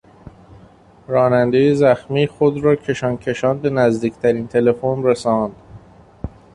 رانندهی زخمی خود را کشانکشان به نزدیکترین تلفن رساند.